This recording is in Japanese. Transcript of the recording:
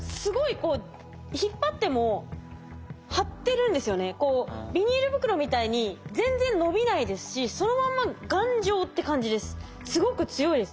こうビニール袋みたいに全然伸びないですしそのまんますごく強いです。